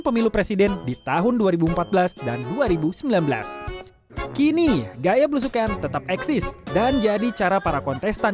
pemilu presiden di tahun dua ribu empat belas dan dua ribu sembilan belas kini gaya belusukan tetap eksis dan jadi cara para kontestan